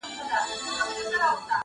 ليکوال ژور نقد وړلاندي کوي ډېر,